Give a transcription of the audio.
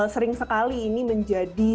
sering sekali ini menjadi